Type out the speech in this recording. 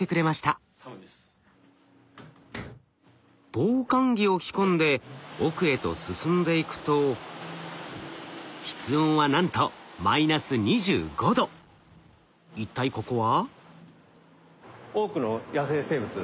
防寒着を着込んで奥へと進んでいくと室温はなんと一体ここは？